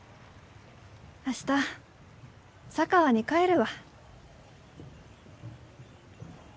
明日佐川に帰るわ。